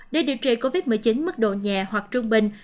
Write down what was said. để điều trị covid một mươi chín mức độ nhẹ hoặc trung bình